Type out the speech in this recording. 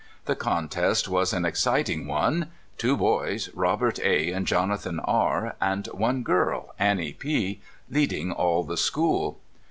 The contest was an ex citing one — two boys, Robert A and Jonathan R , and one girl, Annie P , leading all the school.